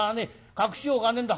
隠しようがねえんだ。